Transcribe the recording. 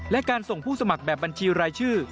และการส่งผู้สมัครแบบบัญชีรายชื่อ